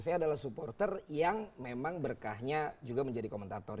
saya adalah supporter yang memang berkahnya juga menjadi komentator